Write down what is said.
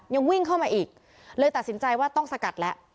ยังวิ่งเข้ามาอีกเลยตัดสินใจว่าต้องสกัดแล้ว